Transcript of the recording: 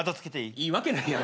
いいわけないやろ。